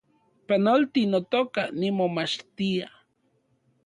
Panolti, notoka, nimomachtia